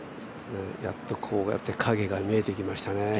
やっとこうやって影が見えてきましたね。